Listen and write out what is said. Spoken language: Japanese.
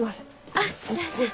あっじゃあじゃあ。